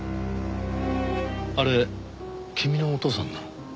あれ君のお父さんなの？